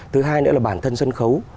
thứ hai nữa là bản thân sân khấu